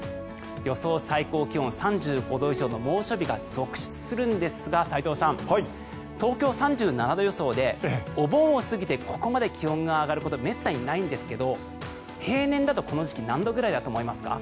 予想最高気温３５度以上の猛暑日が続出するんですが斎藤さん、東京３７度予想でお盆を過ぎてここまで気温が上がることはめったにないんですけど平年だとこの時期何度くらいだと思いますか？